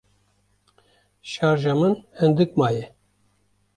Şarja min hindik maye.